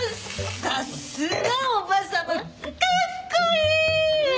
さすが叔母様かっこいい！